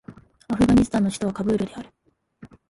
アフガニスタンの首都はカブールである